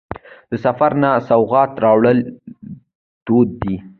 د سفر نه سوغات راوړل دود دی.